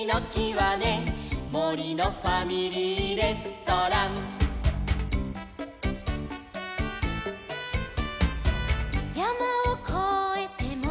「もりのファミリーレストラン」「やまをこえてもりのおく」